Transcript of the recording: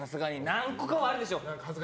何個かはあるでしょ。